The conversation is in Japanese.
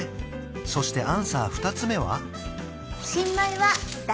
そしてアンサー二つ目は？